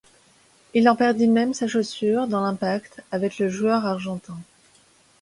Il en perdit même sa chaussure dans l'impact avec le joueur argentin.